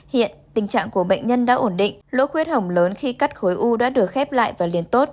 hiện tình trạng của bệnh nhân đã ổn định lỗ khuyết hỏng lớn khi cắt khối u đã được khép lại và liên tốt